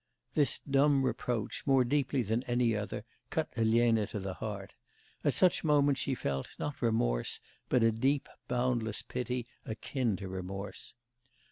This dumb reproach, more deeply than any other, cut Elena to the heart; at such moments she felt, not remorse, but a deep, boundless pity akin to remorse.